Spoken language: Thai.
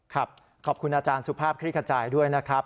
ขอบคุณอาจารย์สุภาพคลิกขจายด้วยนะครับ